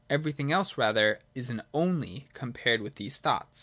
Everything else rather is an ' only ' compared with these thoughts.